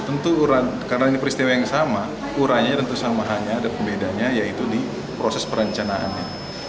tentu karena ini peristiwa yang sama urannya tentu sama hanya ada pembedanya yaitu di proses perencanaannya